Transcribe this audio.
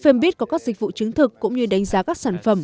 fembit có các dịch vụ chứng thực cũng như đánh giá các sản phẩm